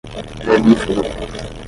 vermífugo